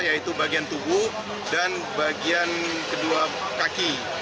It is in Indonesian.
yaitu bagian tubuh dan bagian kedua kaki